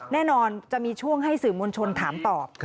แน่นอนจะมีช่วงให้สื่อมวลชนถามตอบ